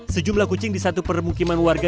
sejumlah kucing di satu permukiman warga